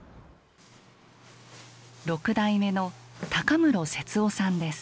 六代目の高室節生さんです。